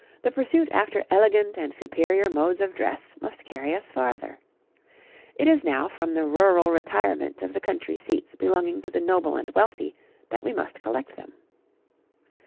'The pursuit after elegant and superior modes of dress must carry us farther; it is now from the rural retirement of the country seats belonging to the noble and wealthy that we must collect them.